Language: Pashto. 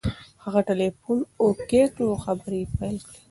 هغه ټلیفون اوکې کړ او خبرې یې پیل کړې.